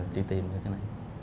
chỉ tìm được cái này